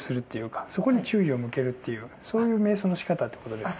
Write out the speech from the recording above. そこに注意を向けるっていうそういう瞑想のしかたってことですか。